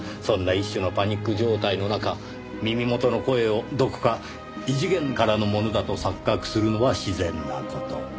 そんな一種のパニック状態の中耳元の声をどこか異次元からのものだと錯覚するのは自然な事。